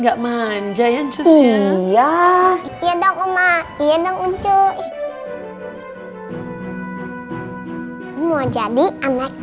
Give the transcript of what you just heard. amat yang baik